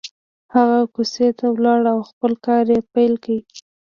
هغه کوڅې ته ولاړ او خپل کار يې پيل کړ.